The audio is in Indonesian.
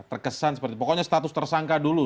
terkesan seperti pokoknya status tersangka dulu